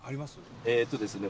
えっとですね